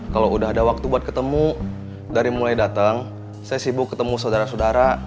kalau udah ada waktu buat ketemu dari mulai datang saya sibuk ketemu saudara saudara